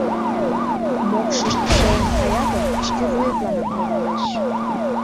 Мокшышт шелын кая гын, шке вуетланак логалеш.